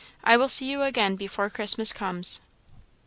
I will see you again before Christmas comes."